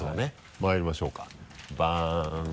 まいりましょうかバン。